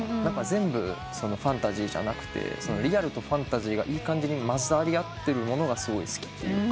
全部ファンタジーじゃなくてリアルとファンタジーがいい感じにまざり合ってるものがすごい好きというか。